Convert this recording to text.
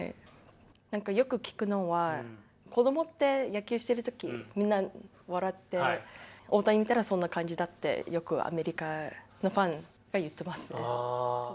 なんかよく聞くのは、子どもって野球してるとき、みんな笑って、大谷を見たらそんな感じだって、よくアメリカのファンが言ってますね。